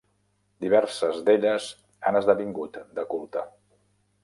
Diverses d'elles han esdevingut de culte.